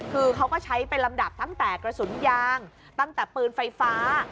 คือเขาก็ใช้เป็นลำดับตั้งแต่กระสุนยางตั้งแต่ปืนไฟฟ้า